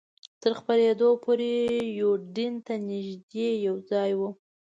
تر خپرېدو پورې یوډین ته نږدې یو ځای.